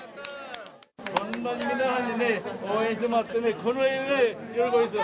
こんなに皆さんにね、応援してもらってね、この上ない喜びです。